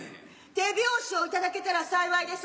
手拍子を頂けたら幸いです。